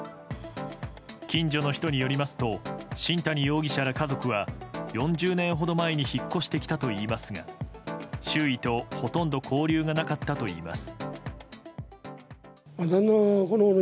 近所の人によりますと新谷容疑者ら家族は４０年ほど前に引っ越してきたといいますが周囲とほとんど交流がなかったといいます。